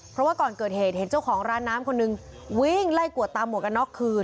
เพราะว่าก่อนเกิดเหตุเห็นเจ้าของร้านน้ำคนหนึ่งวิ่งไล่กวดตามหวกกันน็อกคืน